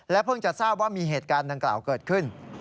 เพิ่งจะทราบว่ามีเหตุการณ์ดังกล่าวเกิดขึ้น